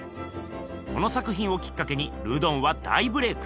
この作ひんをきっかけにルドンは大ブレーク。